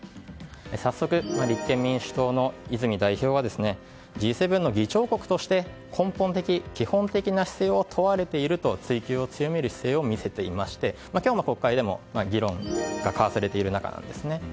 早速、立憲民主党の泉代表はＧ７の議長国として根本的・基本的な姿勢を問われていると、追及を強める姿勢を見せていまして今日の国会でも議論が交わされている中です。